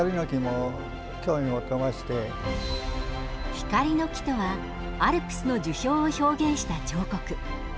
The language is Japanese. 光の木とはアルプスの樹氷を表現した彫刻。